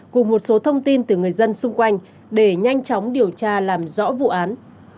cùng một số thông tin từ người dân xung quanh để nhanh chóng điều tra làm rõ vụ án